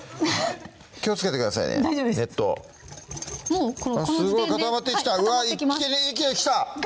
気をつけてくださいね熱湯大丈夫ですあっすごい固まってきたうわぁ一気にきたガ